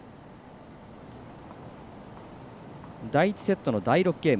第１セットの第６ゲーム